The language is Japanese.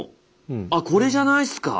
あっこれじゃないっすか？